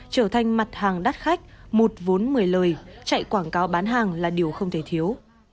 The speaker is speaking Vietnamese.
trở thành mặt hàng đắt khách một vốn một mươi lời chạy quảng cáo bán hàng là điều không thể thiếu